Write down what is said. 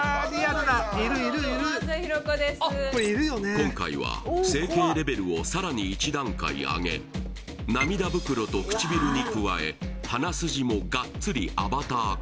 今回は整形ＬＥＶＥＬをさらに１段階上げ涙袋とくちびるに加え鼻筋もがっつりアバター化